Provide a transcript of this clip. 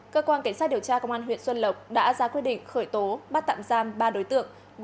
cơ quan cảnh sát điều tra công an huyện xuân lộc đã ra quyết định khởi tố bắt tạm giam ba đối tượng